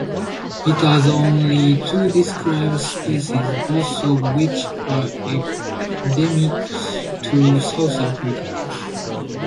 It has only two described species, both of which are endemic to South Africa.